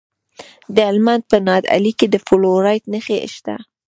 د هلمند په نادعلي کې د فلورایټ نښې شته.